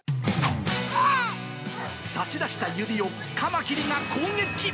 差し出した指をカマキリが攻撃。